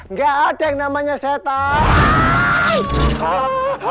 nggak ada yang namanya setan